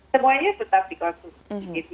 semuanya tetap dikonsumsi